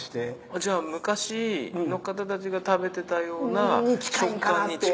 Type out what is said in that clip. じゃあ昔の方たちが食べてたような食感に近い？